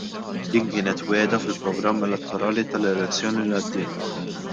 Dik kienet wegħda fil-programm elettorali tal-elezzjoni li għaddiet.